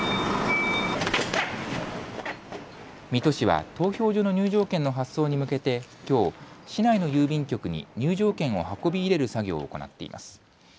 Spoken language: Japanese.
水戸市は投票所の入場券の発送に向けてきょう、市内の郵便局に入場券を運び入れる作業を行っています。